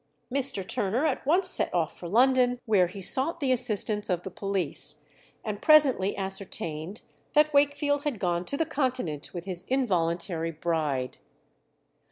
Mr. Turner at once set off for London, where he sought the assistance of the police, and presently ascertained that Wakefield had gone to the Continent with his involuntary bride.